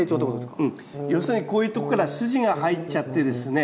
要するにこういうとこから筋が入っちゃってですね